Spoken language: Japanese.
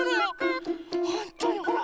ほんとにほら！